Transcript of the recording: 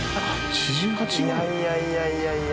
いやいやいやいやいや。